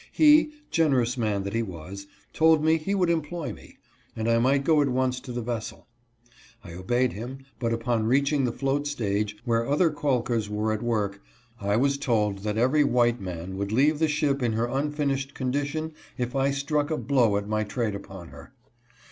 He, generous man that he was, told me he would employ me, and I might go at once to the vessel. I obeyed him, but upon reaching the float stage, where other calkers were at work, I was told that every white man would leave the ship in her unfinished condition if I struck a blow at my JOSEPH RICKETSON. 261 trade upon her.